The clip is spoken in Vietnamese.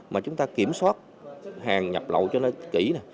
mà chúng ta kiểm soát hàng nhập lậu cho nó kỹ nè